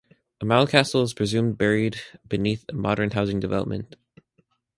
A milecastle is presumed buried beneath a modern housing development.